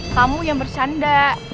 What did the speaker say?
kamu yang bercanda